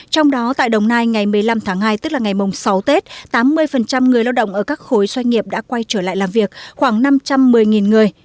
trong đó tại đồng nai ngày một mươi năm tháng hai tức là ngày sáu tết tám mươi người lao động ở các khối doanh nghiệp đã quay trở lại làm việc khoảng năm trăm một mươi người